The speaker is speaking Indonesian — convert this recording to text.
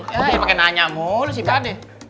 ya ya pake nanya mulu sih tadi